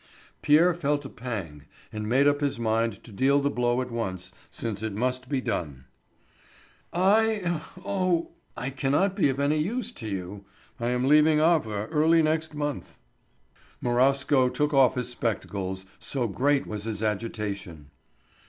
Pierre felt a pang, and made up his mind to deal the blow at once, since it must be done. "I—oh, I cannot be of any use to you. I am leaving Havre early next month." Marowsko took off his spectacles, so great was his agitation.